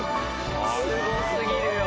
すご過ぎるよ。